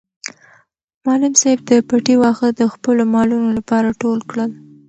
معلم صاحب د پټي واښه د خپلو مالونو لپاره ټول کړل.